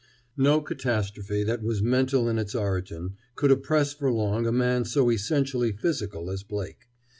XX No catastrophe that was mental in its origin could oppress for long a man so essentially physical as Blake.